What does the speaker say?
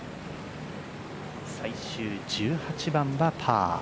最終１８番はパー。